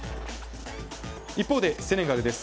一方でセネガルです。